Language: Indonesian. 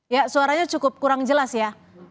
ya suaranya cukup kurang jelas ya